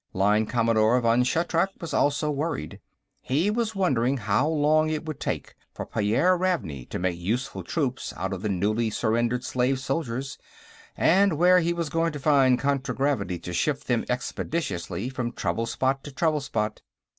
Line Commodore Vann Shatrak was also worried. He was wondering how long it would take for Pyairr Ravney to make useful troops out of the newly surrendered slave soldiers, and where he was going to find contragravity to shift them expeditiously from trouble spot to trouble spot.